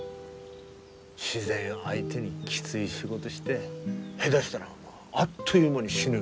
自然相手にきつい仕事して下手したらあっという間に死ぬ。